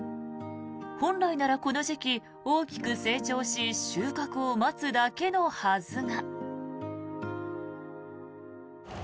本来ならこの時期、大きく成長し収穫を待つだけのはずが。